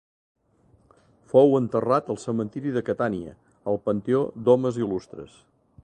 Fou enterrat al cementiri de Catània, al panteó d'homes il·lustres.